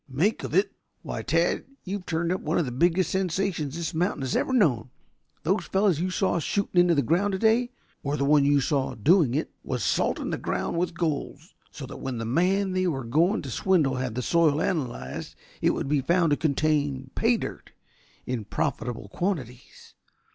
"Make of it? Why, Tad, you've turned up one of the biggest sensations this mountain has ever known. Those fellows that you saw shooting into the ground today or the one you saw doing it was salting the ground with gold so that when the man they were going to swindle had the soil analyzed it would be found to contain 'pay dirt' in profitable quantities.